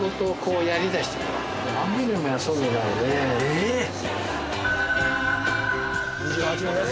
えっ？